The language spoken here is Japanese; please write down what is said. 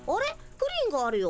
プリンがあるよ。